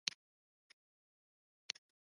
ویرې فکر بدلوي او عقل ټپي کوي.